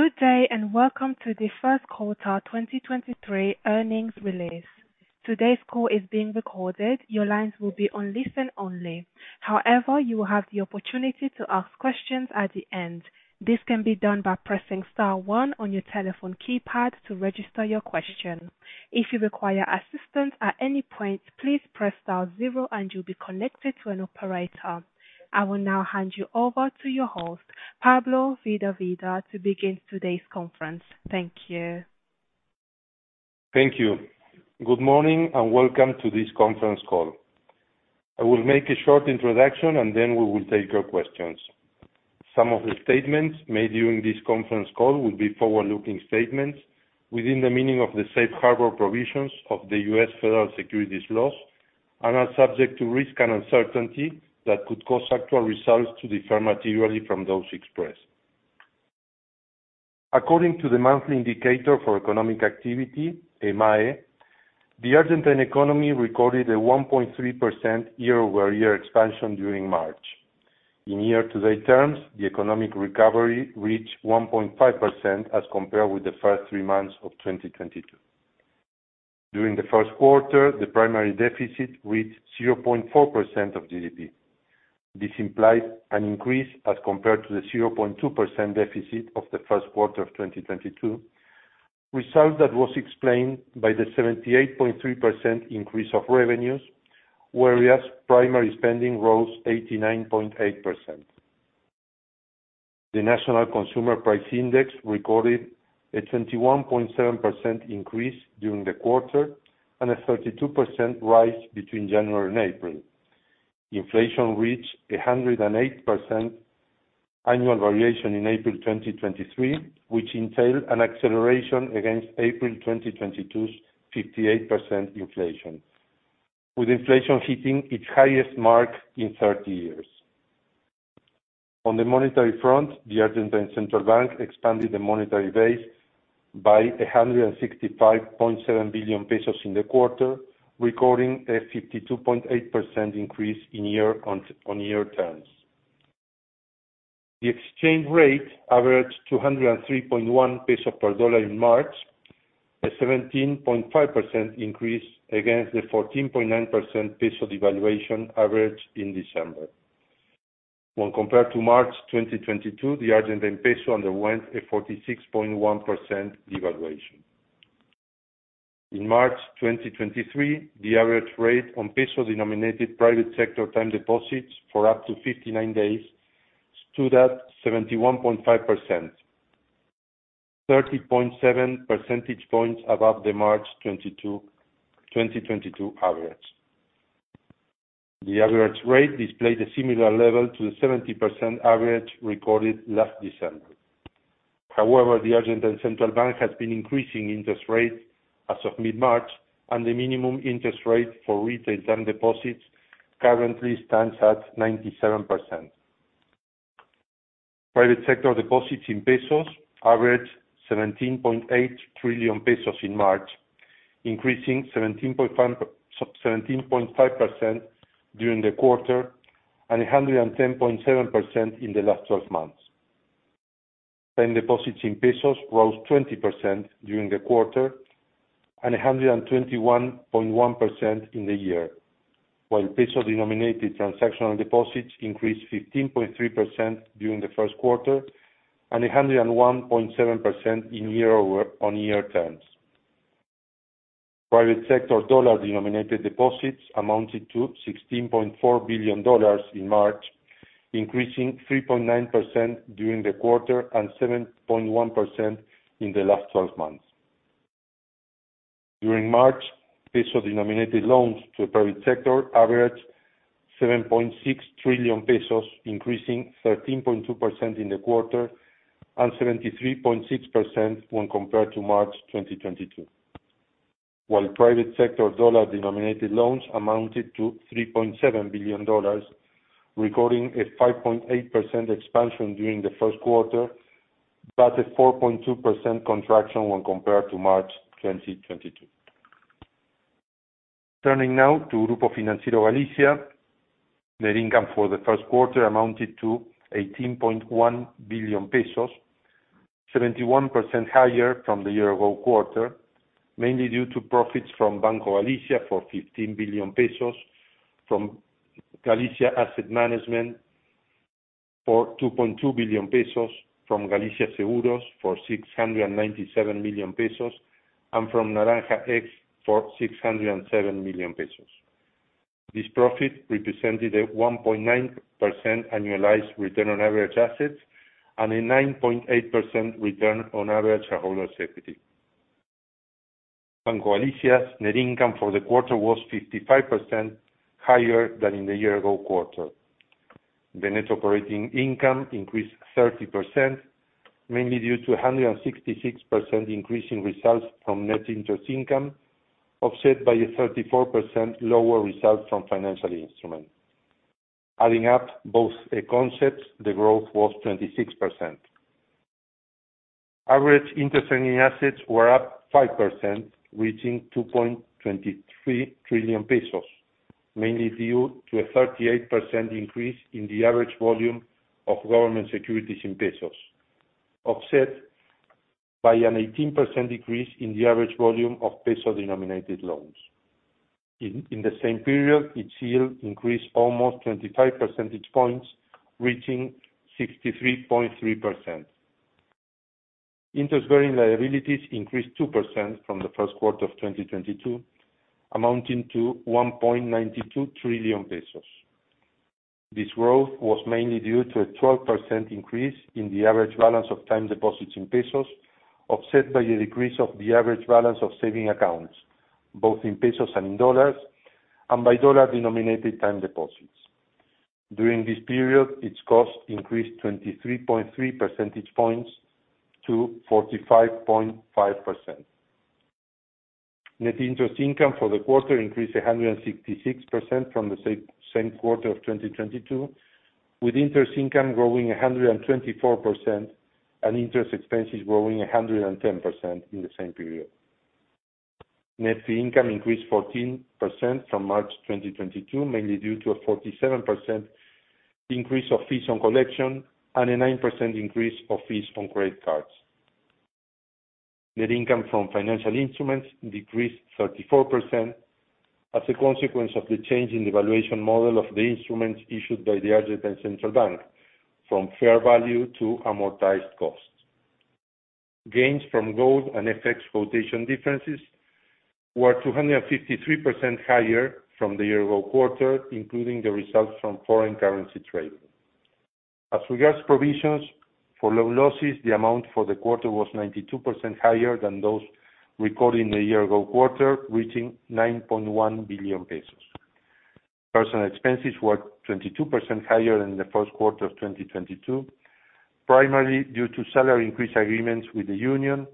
Good day, welcome to the first quarter 2023 earnings release. Today's call is being recorded. Your lines will be on listen only. However, you will have the opportunity to ask questions at the end. This can be done by pressing star one on your telephone keypad to register your question. If you require assistance at any point, please press star zero and you'll be connected to an operator. I will now hand you over to your host, Pablo Firvida, to begin today's conference. Thank you. Thank you. Good morning, and welcome to this conference call. I will make a short introduction, and then we will take your questions. Some of the statements made during this conference call will be forward-looking statements within the meaning of the safe harbor provisions of the U.S. federal securities laws and are subject to risk and uncertainty that could cause actual results to differ materially from those expressed. According to the Monthly Indicator for Economic Activity, IMAE, the Argentine economy recorded a 1.3% year-over-year expansion during March. In year-to-date terms, the economic recovery reached 1.5% as compared with the first three months of 2022. During the first quarter, the primary deficit reached 0.4% of GDP. This implies an increase as compared to the 0.2% deficit of the first quarter of 2022. Result that was explained by the 78.3% increase of revenues, whereas primary spending rose 89.8%. The National Consumer Price Index recorded a 21.7% increase during the quarter and a 32% rise between January and April. Inflation reached a 108% annual variation in April 2023, which entailed an acceleration against April 2022's 58% inflation, with inflation hitting its highest mark in 30 years. On the monetary front, the Argentine Central Bank expanded the monetary base by 165.7 billion pesos in the quarter, recording a 52.8% increase in year-on-year terms. The exchange rate averaged 203.1 pesos per dollar in March, a 17.5% increase against the 14.9% peso devaluation average in December. When compared to March 2022, the Argentine peso underwent a 46.1% devaluation. In March 2023, the average rate on peso-denominated private sector term deposits for up to 59 days stood at 71.5%. 30.7 percentage points above the March 22, 2022 average. The average rate displayed a similar level to the 70% average recorded last December. The Argentine Central Bank has been increasing interest rates as of mid-March, and the minimum interest rate for retail term deposits currently stands at 97%. Private sector deposits in pesos averaged 17.8 trillion pesos in March, increasing 17.5% during the quarter and 110.7% in the last 12 months. 10 deposits in pesos rose 20% during the quarter and 121.1% in the year. Peso-denominated transactional deposits increased 15.3% during the first quarter and 101.7% in year-on-year terms. Private sector dollar-denominated deposits amounted to $16.4 billion in March, increasing 3.9% during the quarter and 7.1% in the last 12 months. During March, peso-denominated loans to the private sector averaged 7.6 trillion pesos, increasing 13.2% in the quarter and 73.6% when compared to March 2022. Private sector dollar-denominated loans amounted to $3.7 billion, recording a 5.8% expansion during the first quarter, but a 4.2% contraction when compared to March 2022. Turning now to Grupo Financiero Galicia. Net income for the first quarter amounted to 18.1 billion pesos, 71% higher from the year-ago quarter, mainly due to profits from Banco Galicia for 15 billion pesos, from Galicia Asset Management for 2.2 billion pesos, from Galicia Seguros for 697 million pesos, and from Naranja X for 607 million pesos. This profit represented a 1.9% annualized return on average assets and a 9.8% return on average shareholder equity. Banco Galicia's net income for the quarter was 55% higher than in the year-ago quarter. The net operating income increased 30%, mainly due to a 166% increase in results from net interest income, offset by a 34% lower result from financial instruments. Adding up both the concepts, the growth was 26%. Average interest earning assets were up 5%, reaching 2.23 trillion pesos. Mainly due to a 38% increase in the average volume of government securities in pesos, offset by an 18% decrease in the average volume of peso-denominated loans. In the same period, its yield increased almost 25 percentage points, reaching 63.3%. Interest-bearing liabilities increased 2% from the first quarter of 2022, amounting to 1.92 trillion pesos. This growth was mainly due to a 12% increase in the average balance of time deposits in pesos, offset by a decrease of the average balance of saving accounts, both in pesos and in dollars, and by dollar-denominated time deposits. During this period, its cost increased 23.3 percentage points to 45.5%. Net interest income for the quarter increased 166% from the same quarter of 2022, with interest income growing 124% and interest expenses growing 110% in the same period. Net fee income increased 14% from March 2022, mainly due to a 47% increase of fees on collection and a 9% increase of fees from credit cards. Net income from financial instruments decreased 34% as a consequence of the change in the valuation model of the instruments issued by the Argentine Central Bank from fair value to amortized cost. Gains from gold and FX quotation differences were 253% higher from the year-ago quarter, including the results from foreign currency trade. As regards provisions for loan losses, the amount for the quarter was 92% higher than those recorded in the year ago quarter, reaching 9.1 billion pesos. Personal expenses were 22% higher than the first quarter of 2022, primarily due to salary increase agreements with the union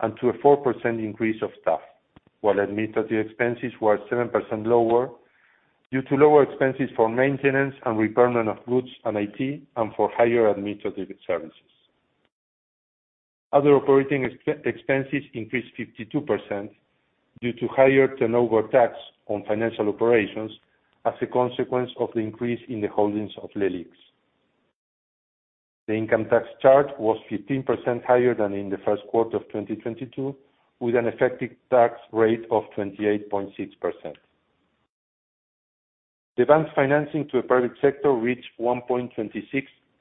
and to a 4% increase of staff, while administrative expenses were 7% lower due to lower expenses for maintenance and repair of roofs and IT, and for higher administrative services. Other operating expenses increased 52% due to higher turnover tax on financial operations as a consequence of the increase in the holdings of LELIQs. The income tax charge was 15% higher than in the first quarter of 2022, with an effective tax rate of 28.6%. The bank's financing to the private sector reached 1.26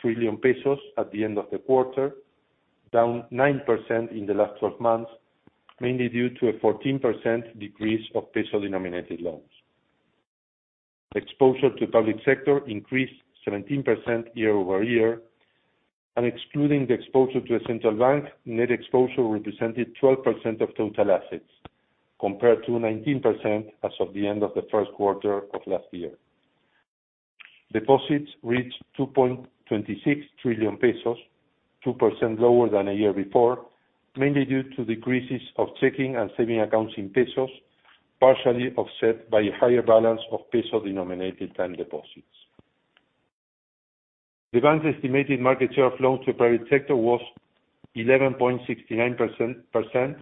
trillion pesos at the end of the quarter, down 9% in the last 12 months, mainly due to a 14% decrease of peso-denominated loans. Exposure to public sector increased 17% year-over-year. Excluding the exposure to the Central Bank, net exposure represented 12% of total assets, compared to 19% as of the end of the first quarter of last year. Deposits reached 2.26 trillion pesos, 2% lower than a year before, mainly due to decreases of checking and saving accounts in pesos, partially offset by a higher balance of peso-denominated time deposits. The bank's estimated market share of loans to private sector was 11.69%,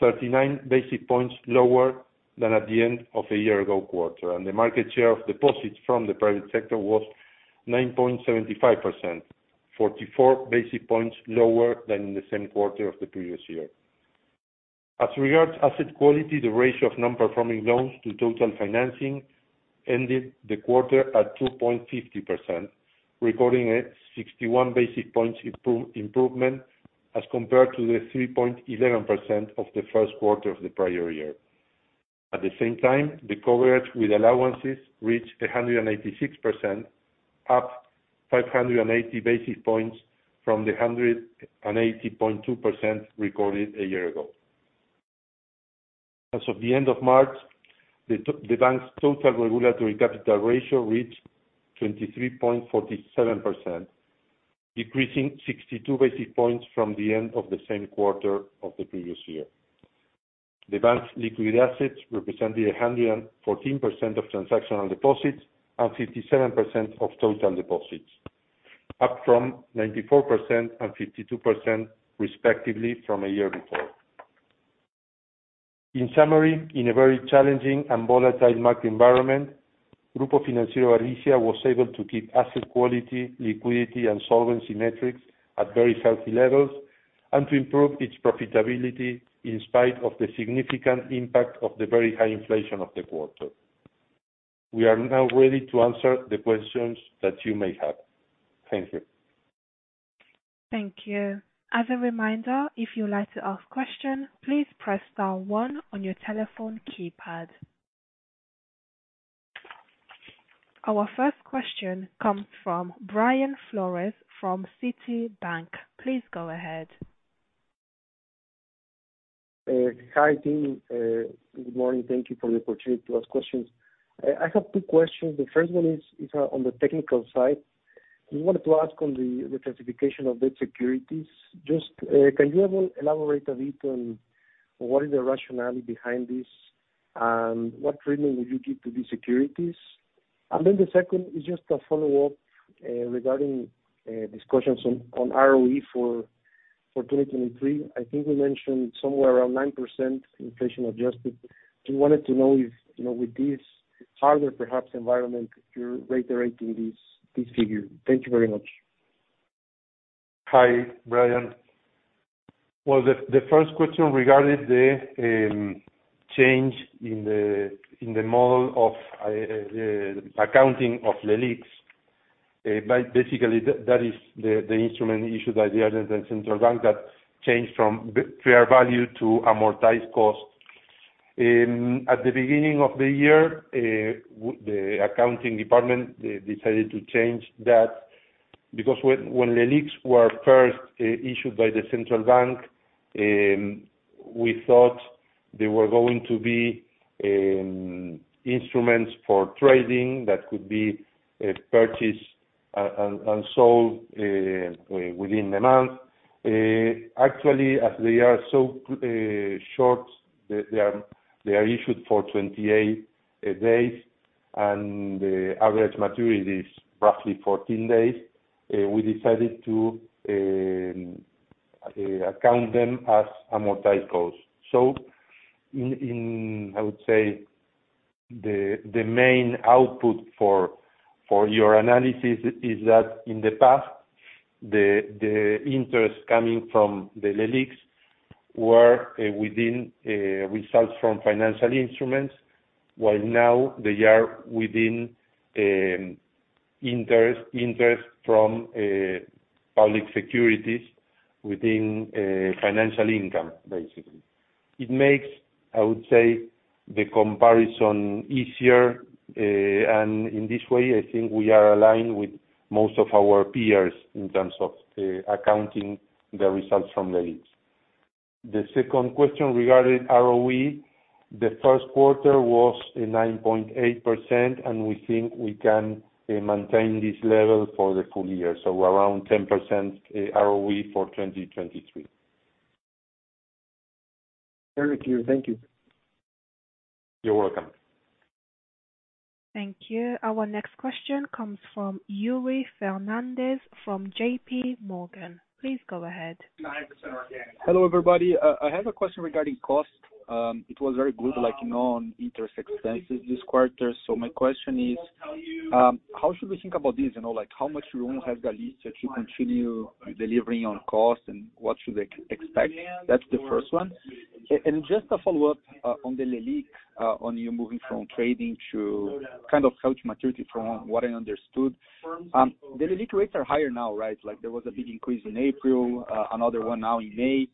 39 basic points lower than at the end of a year-ago quarter. The market share of deposits from the private sector was 9.75%, 44 basis points lower than in the same quarter of the previous year. As regards asset quality, the ratio of non-performing loans to total financing ended the quarter at 2.50%, recording a 61 basis points improvement as compared to the 3.11% of the first quarter of the prior year. At the same time, the coverage with allowances reached 186%, up 580 basis points from the 180.2% recorded a year ago. As of the end of March, the bank's total regulatory capital ratio reached 23.47%, decreasing 62 basis points from the end of the same quarter of the previous year. The bank's liquid assets represented 114% of transactional deposits and 57% of total deposits, up from 94% and 52% respectively from a year before. In summary, in a very challenging and volatile market environment, Grupo Financiero Galicia was able to keep asset quality, liquidity, and solvency metrics at very healthy levels and to improve its profitability in spite of the significant impact of the very high inflation of the quarter. We are now ready to answer the questions that you may have. Thank you. Thank you. As a reminder, if you would like to ask question, please press star one on your telephone keypad. Our first question comes from Brian Flores from Citibank. Please go ahead. Hi, team. Good morning. Thank you for the opportunity to ask questions. I have two questions. The first one is on the technical side. We wanted to ask on the classification of the securities. Just, can you elaborate a bit on what is the rationale behind this, and what treatment would you give to these securities? The second is just a follow-up regarding discussions on ROE for 2023, I think we mentioned somewhere around 9% inflation adjusted. We wanted to know if, you know, with this harder, perhaps environment, if you're reiterating this figure. Thank you very much. Hi, Brian. Well, the first question regarding the change in the model of the accounting of LELIQs. Basically, that is the instrument issue by the Argentine Central Bank that changed from fair value to amortized cost. At the beginning of the year, the accounting department, they decided to change that because when LELIQs were first issued by the Central Bank, we thought they were going to be instruments for trading that could be purchased and sold within the month. Actually, as they are so short, they are issued for 28 days, and the average maturity is roughly 14 days, we decided to account them as amortized cost. In, in, I would say, the main output for your analysis is that in the past, the interest coming from the LELIQs were within results from financial instruments, while now they are within interest from public securities within financial income, basically. It makes, I would say, the comparison easier, and in this way, I think we are aligned with most of our peers in terms of accounting the results from LELIQs. The second question regarding ROE, the first quarter was 9.8%, and we think we can maintain this level for the full year, so around 10% ROE for 2023. Very clear. Thank you. You're welcome. Thank you. Our next question comes from Yuri Fernandes from JPMorgan. Please go ahead. Hello, everybody. I have a question regarding cost. It was very good, like, you know, on interest expenses this quarter. My question is, how should we think about this? You know, like, how much room has Galicia to continue delivering on cost, and what should expect? That's the first one. Just a follow-up on the LELIQs, on you moving from trading to kind of hold to maturity from what I understood. The LELIQ rates are higher now, right? Like there was a big increase in April, another one now in May.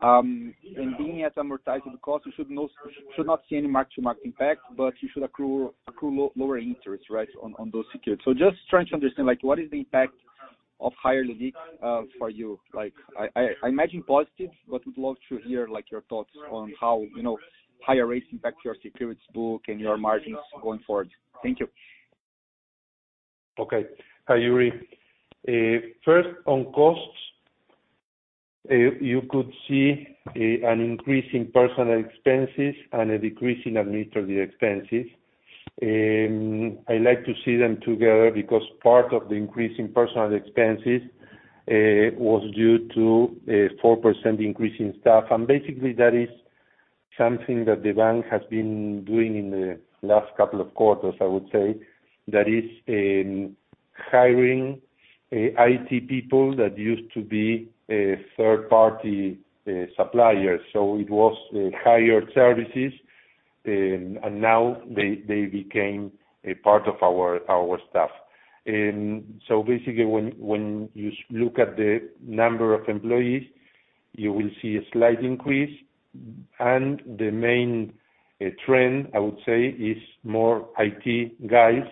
Being at amortized cost, you should not see any mark to market impact, but you should accrue lower interest, right, on those securities. Just trying to understand, like, what is the impact of higher LELIQ for you? Like, I imagine positive, would love to hear, like, your thoughts on how, you know, higher rates impact your securities book and your margins going forward. Thank you. Okay. Yuri, first on costs, you could see an increase in personal expenses and a decrease in administrative expenses. I like to see them together because part of the increase in personal expenses was due to a 4% increase in staff. Basically, that is something that the bank has been doing in the last couple of quarters, I would say. That is, hiring IT people that used to be third-party suppliers. It was higher services, and now they became a part of our staff. Basically when you look at the number of employees, you will see a slight increase. The main trend, I would say, is more IT guys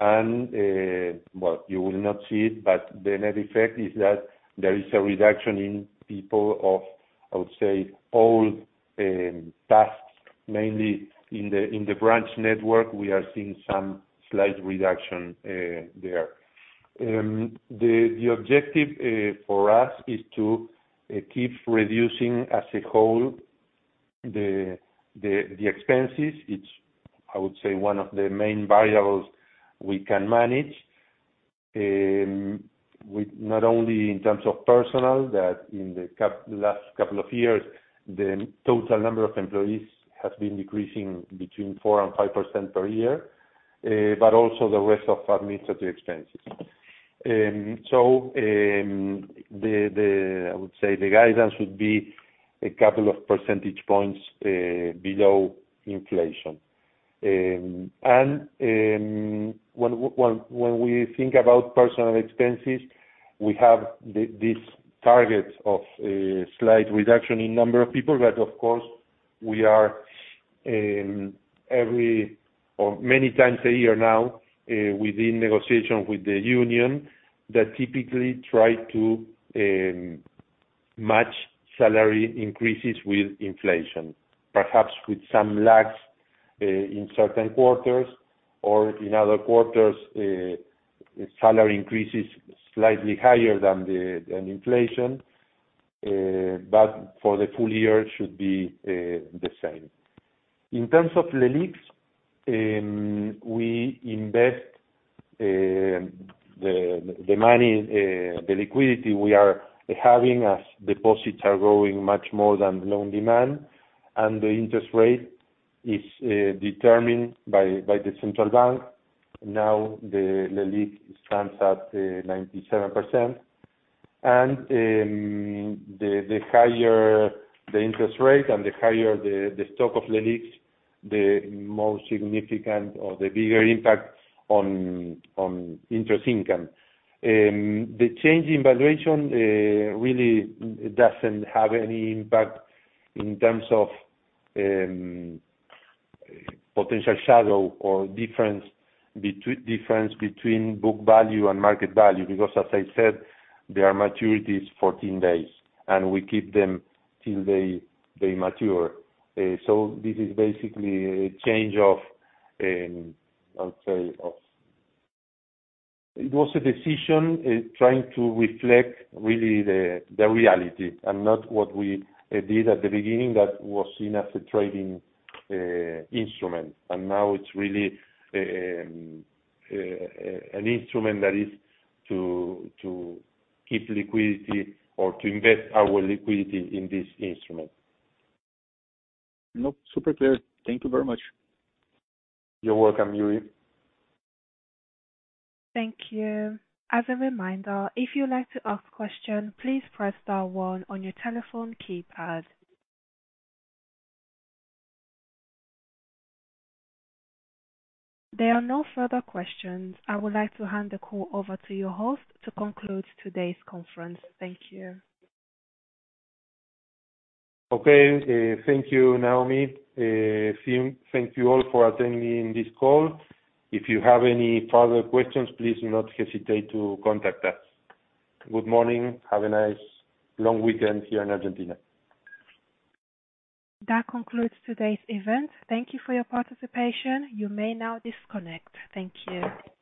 and, well, you will not see it, but the net effect is that there is a reduction in people of, I would say, all tasks, mainly in the branch network, we are seeing some slight reduction there. The objective for us is to keep reducing as a whole the expenses. It's, I would say, one of the main variables we can manage. With not only in terms of personnel, that in the last couple of years, the total number of employees has been decreasing between 4% and 5% per year, but also the rest of administrative expenses. The, I would say the guidance would be a couple of percentage points below inflation. When we think about personal expenses, we have this target of slight reduction in number of people, but of course, we are every or many times a year now within negotiation with the union that typically try to match salary increases with inflation. Perhaps with some lags in certain quarters or in other quarters, salary increases slightly higher than inflation, but for the full year, it should be the same. In terms of the LELIQs, we invest the money, the liquidity we are having as deposits are growing much more than loan demand, and the interest rate is determined by the Central Bank. Now, the LELIQ stands at 97%. The higher the interest rate and the higher the stock of LELIQs, the more significant or the bigger impact on interest income. The change in valuation really doesn't have any impact in terms of potential shadow or difference between book value and market value. Because as I said, there are maturities 14 days, and we keep them till they mature. This is basically a change of, I would say, It was a decision trying to reflect really the reality and not what we did at the beginning that was seen as a trading instrument. Now it's really an instrument that is to keep liquidity or to invest our liquidity in this instrument. No, super clear. Thank you very much. You're welcome, Yuri. Thank you. As a reminder, if you'd like to ask question, please press star one on your telephone keypad. There are no further questions. I would like to hand the call over to your host to conclude today's conference. Thank you. Okay. Thank you, Naomi. Team, thank you all for attending this call. If you have any further questions, please do not hesitate to contact us. Good morning. Have a nice long weekend here in Argentina. That concludes today's event. Thank you for your participation. You may now disconnect. Thank you.